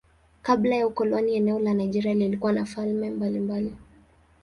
Kabla ya ukoloni eneo la Nigeria lilikuwa na falme mbalimbali.